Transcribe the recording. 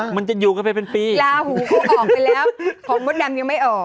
มันจะอยู่กันไปเป็นปีลาหูเขาออกไปแล้วของมดดำยังไม่ออก